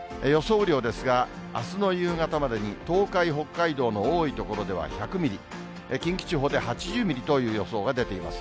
雨量ですが、あすの夕方までに、東海、北海道の多い所では１００ミリ、近畿地方で８０ミリという予想が出ています。